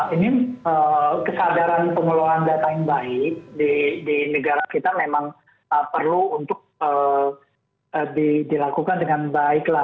ini kesadaran pengelolaan data yang baik di negara kita memang perlu untuk dilakukan dengan baik